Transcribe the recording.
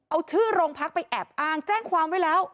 เอาชื่อโรงพักไปแอบอ้างแจ้งความไว้แล้ว